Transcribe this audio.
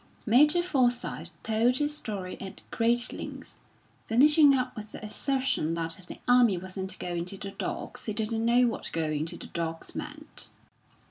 Major Forsyth told his story at great length, finishing up with the assertion that if the army wasn't going to the dogs, he didn't know what going to the dogs meant.